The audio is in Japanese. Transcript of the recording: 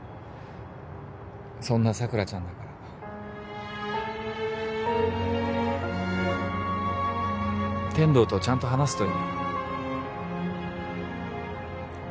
そんな佐倉ちゃんだから天堂とちゃんと話すといいよ